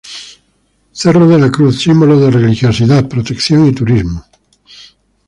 Cerro de la cruz: Símbolo de religiosidad, protección y turismo.